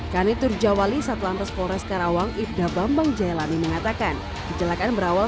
kanitur jawali satu lantas flores karawang ibda bambang jaya lami mengatakan kecelakaan berawal